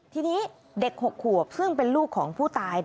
ทีนี้เด็ก๖ขวบซึ่งเป็นลูกของผู้ตาย